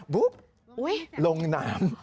ปุ๊บลงน้ำ